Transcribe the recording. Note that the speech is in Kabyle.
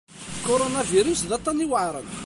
Kurunavirus d aṭṭan iweɛren.